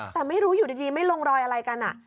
แต่ไม่รู้อยู่ดีไม่ลงรอยอะไรกัน